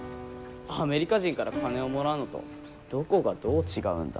アメリカ人から金をもらうのとどこがどう違うんだ？